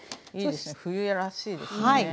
いいですね冬らしいですね。